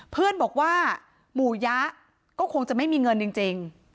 เพื่อนบอกว่าหมู่ยะก็คงจะไม่มีเงินจริง